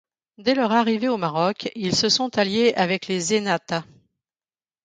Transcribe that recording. Dès leurs arrivé au Maroc, ils se sont alliés avec les Zenata.